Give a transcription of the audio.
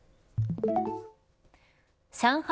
上海